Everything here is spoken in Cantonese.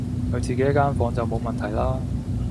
有自己一間房就冇問題啦